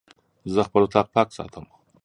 زه خپل اطاق پاک ساتم.